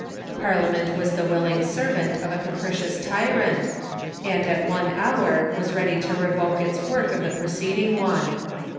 Parliament was the willing servant of a capricious tyrant, and at one hour was ready to revoke its work of the preceding one.